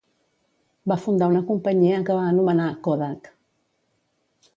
Va fundar una companyia que va anomenar "Kodak".